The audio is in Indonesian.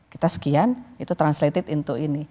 kita sekian itu translated untuk ini